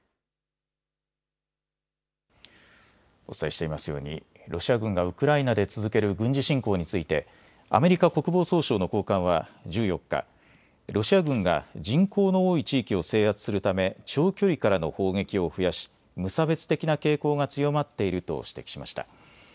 お伝えしていますようにロシア軍がウクライナで続ける軍事侵攻についてアメリカ国防総省の高官は１４日、ロシア軍が人口の多い地域を制圧するため長距離からの砲撃を増やし、無差別的な傾向が強まっていると指摘しました。